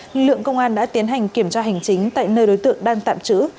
lực lượng công an đã tiến hành kiểm tra hành chính tại nơi đối tượng đang tạm trữ